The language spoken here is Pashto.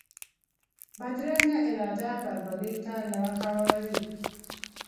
بدرنګه اراده بربادي ته لار هواروي